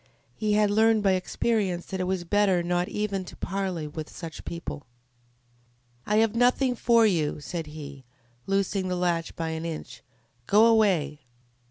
He had learned by experience that it was better not even to parley with such people. "I have nothing for you," said he, loosing the latch by an inch. "Go away!"